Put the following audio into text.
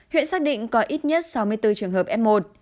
huyện xác định có ít nhất sáu mươi bốn trường hợp f một